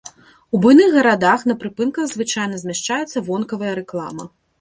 У буйных гарадах на прыпынках звычайна змяшчаецца вонкавая рэклама.